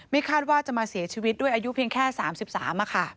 คาดว่าจะมาเสียชีวิตด้วยอายุเพียงแค่๓๓ค่ะ